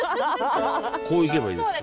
こういけばいいですか？